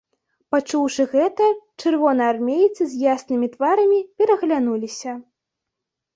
Пачуўшы гэта, чырвонаармейцы з яснымі тварамі пераглянуліся.